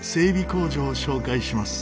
工場を紹介します。